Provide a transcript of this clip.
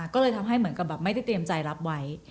ก็เลยทำให้เหมือนกับแบบไม่ได้เตรียมใจรับไว้